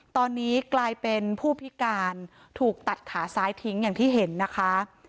ตอนนี้กลายเป็นผู้พิการถูกตัดขาซ้ายทิ้งอย่างที่เห็นนะคะ